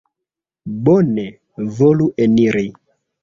Bone, volu eniri.